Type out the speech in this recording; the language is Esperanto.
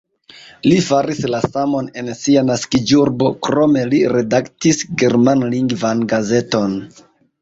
Li faris la samon en sia naskiĝurbo, krome li redaktis germanlingvan gazeton.